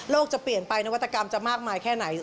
จะเปลี่ยนไปนวัตกรรมจะมากมายแค่ไหน